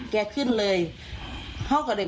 แกก็เลยขึ้นเหมือนอยู่ในคลิปแกขึ้นเลย